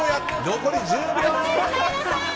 残り１０秒！